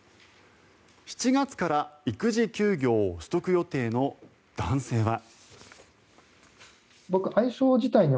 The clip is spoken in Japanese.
７月から育児休業を取得予定の男性は。